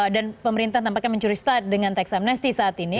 dan pemerintah tampaknya mencurigus dengan tax amnesty saat ini